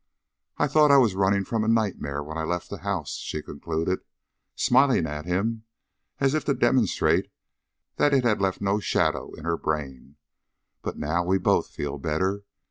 "I thought I was running from a nightmare when I left the house," she concluded, smiling at him as if to demonstrate that it had left no shadow in her brain; "but now we both feel better.